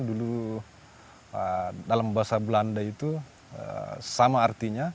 dulu dalam bahasa belanda itu sama artinya